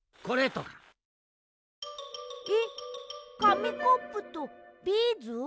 えっかみコップとビーズ？